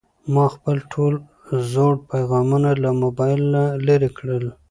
ما خپل ټول زوړ پيغامونه له موبایل نه لرې کړل.